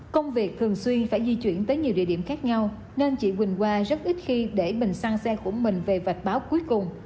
công việc thường xuyên phải di chuyển tới nhiều địa điểm khác nhau nên chị quỳnh qua rất ít khi để mình sang xe của mình về vạch báo cuối cùng